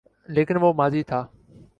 لیکن وہ ماضی تھا۔